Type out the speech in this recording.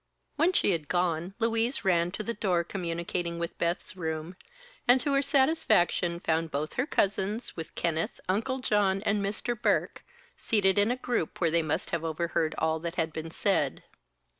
When she had gone Louise ran to the door communicating with Beth's room, and to her satisfaction found both her cousins, with Kenneth, Uncle John and Mr. Burke, seated in a group where they must have overheard all that had been said.